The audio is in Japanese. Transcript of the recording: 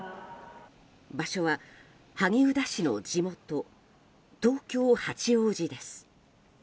場所は萩生田氏の地元東京・八王子です。